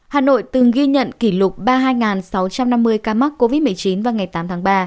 hà nội từng ghi nhận kỷ lục ba mươi hai sáu trăm năm mươi ca mắc covid một mươi chín vào ngày tám tháng ba